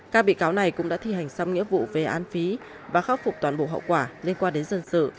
các bị cáo này cũng đã thi hành xong nghĩa vụ về an phí và khắc phục toàn bộ hậu quả liên quan đến dân sự